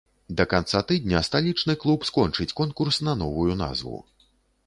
Да канца тыдня сталічны клуб скончыць конкурс на новую назву.